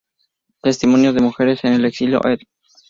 Testimonios de mujeres en el exilio", Ed.